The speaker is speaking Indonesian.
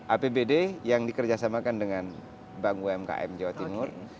apbd yang dikerjasamakan dengan bank umkm jawa timur